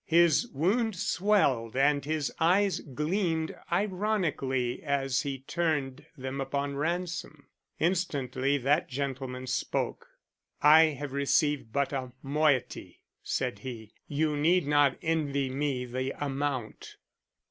His wound swelled and his eyes gleamed ironically as he turned them upon Ransom. Instantly that gentleman spoke. "I have received but a moiety," said he. "You need not envy me the amount."